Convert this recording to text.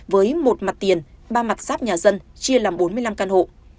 với một mặt tiền ba mặt sáp nhà dân chia làm bốn mươi năm căn hộ